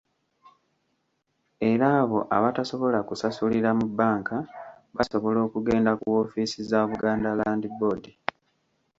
Eri abo abatasobola kusasulira mu bbanka, basobola okugenda ku woofiisi za Buganda Land Board.